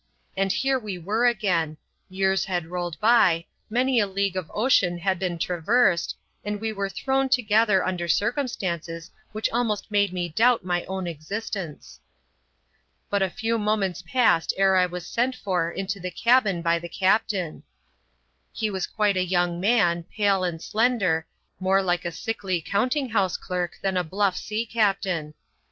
And here we were again :— years had rolled by, many a league of ocean had been traversed, and we were thrown together under circumstances which almost made me doubt my own existence. But a few moments passed ere I was sent for into the cabin by the captain. He was quite a young man, pale and slender, more like a sickly counting house clerk than a bluff sea captain.